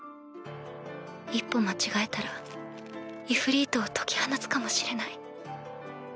一歩間違えたらイフリートを解き放つかもしれない。